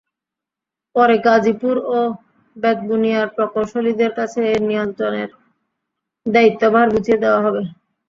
পরে গাজীপুর ও বেতবুনিয়ার প্রকৌশলীদের কাছে এর নিয়ন্ত্রণের দায়িত্বভার বুঝিয়ে দেওয়া হবে।